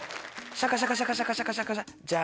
シャカシャカシャカシャカシャカジャジャ。